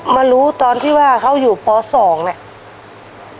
มารู้ตอนที่ว่าเขาอยู่ป๒เนี่ย